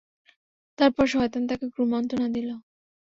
তারপর শয়তান তাকে কুমন্ত্রণা দিল।